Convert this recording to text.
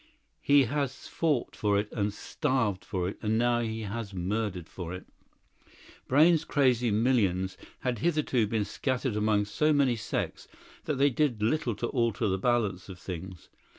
He has fought for it and starved for it, and now he has murdered for it. Brayne's crazy millions had hitherto been scattered among so many sects that they did little to alter the balance of things.